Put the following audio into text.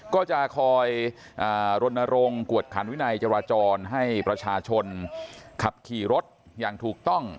ก็จะคอยรณรงค์กวดขันวินัยจราจรให้ประชาชนขับขี่รถอย่างถูกต้อง